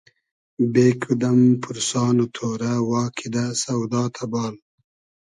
بې کودئم پورسان و تۉرۂ وا کیدۂ سۆدا تئبال